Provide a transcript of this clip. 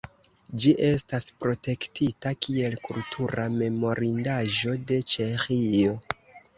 Ĝi estas protektita kiel kultura memorindaĵo de Ĉeĥio.